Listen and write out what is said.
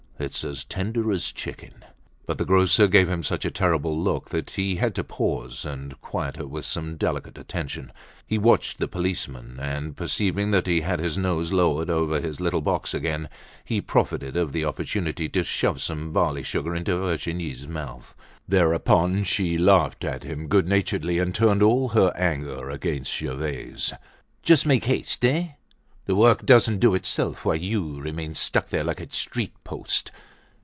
It's as tender as chicken." But the grocer gave him such a terrible look that he had to pause and quiet her with some delicate attention. He watched the policeman, and perceiving that he had his nose lowered over his little box again, he profited of the opportunity to shove some barley sugar into Virginie's mouth. Thereupon she laughed at him good naturedly and turned all her anger against Gervaise. "Just make haste, eh? The work doesn't do itself while you remain stuck there like a street post.